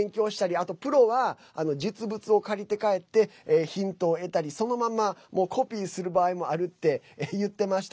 あとプロは、実物を借りて帰ってヒントを得たりそのままコピーする場合もあるって言ってました。